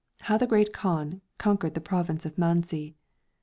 How THE Great Kaan conquered the Province of Manzi.